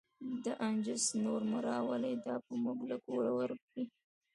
دا نجس نور مه راولئ، دا به موږ له کوره ورک کړي.